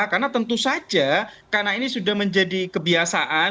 karena tentu saja karena ini sudah menjadi kebiasaan